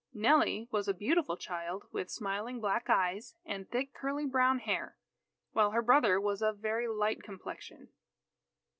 Nellie was a beautiful child with smiling black eyes and thick curly brown hair; while her brother was of very light complexion.